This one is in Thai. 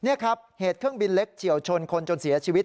นี่ครับเหตุเครื่องบินเล็กเฉียวชนคนจนเสียชีวิต